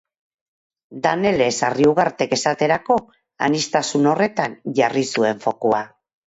Danele Sarriugartek esaterako aniztasun horretan jarri zuen fokua.